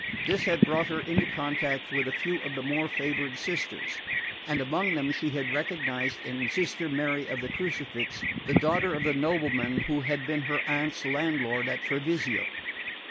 This had brought her into contact with a few of the more favoured sisters, and among them she had recognised in Sister Mary of the Crucifix the daughter of the nobleman who had been her aunt's landlord at Treviso.